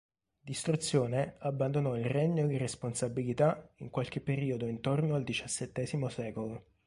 Distruzione abbandonò il regno e le responsabilità in qualche periodo intorno al diciassettesimo secolo.